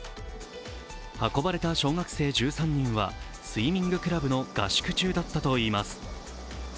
運ばれた小学生１３人はスイミングクラブの合宿中だったといいます。